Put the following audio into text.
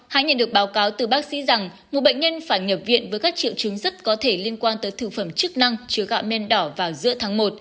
hãy nhận được báo cáo từ bác sĩ rằng một bệnh nhân phải nhập viện với các triệu chứng rất có thể liên quan tới thực phẩm chức năng chứa gạo men đỏ vào giữa tháng một